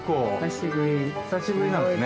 すごい久しぶりですね。